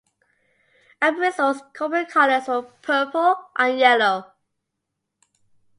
Abrizio's corporate colors were purple and yellow.